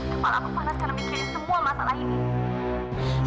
kepala aku panas karena mikirin semua masalah ini